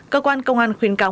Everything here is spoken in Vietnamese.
cơ quan công an khuyến cáo